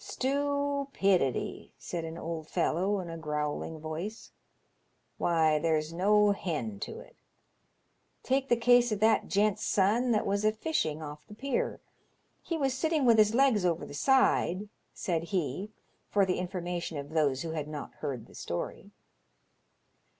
" Stoopidity !" said an old fellow, in a growling voice, " why, there's no hend to it. Take the case of that gent's son that was a fishing off the pier. He was sitting with his legs over the side,'* said he, for the information of those who had not heard the story.